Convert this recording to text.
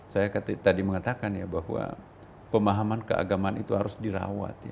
saya tadi mengatakan ya bahwa pemahaman keagamaan itu harus dirawat